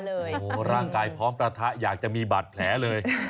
โอ้โหร่างกายพร้อมประทะอยากจะมีบาดแผลเลย